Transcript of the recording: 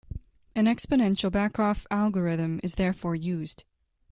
An exponential backoff algorithm is therefore used.